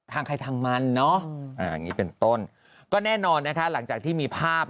ทางใครทังมันเนาะนี่เป็นต้นก็แน่นอนนะคะหลังจากที่มีภาพ